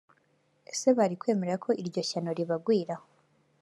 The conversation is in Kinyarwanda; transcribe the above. ese bari kwemera ko iryo shyano ribagwira